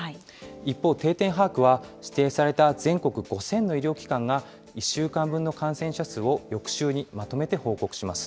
一方、定点把握は指定された全国５０００の医療機関が１週間分の感染者数を翌週にまとめて報告します。